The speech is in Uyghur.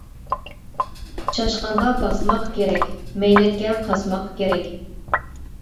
چاشقانغا باسماق كېرەك، مەينەتكە قاسماق كېرەك.